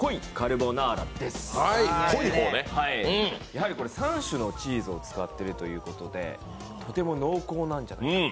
やはり、これ３種のチーズを使っているということで、とても濃厚なんじゃないかなと。